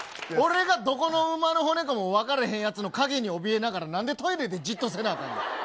俺がどこの馬の骨とも分からへんやつの陰におびえながらなんでトイレでじっとせなあかんねん。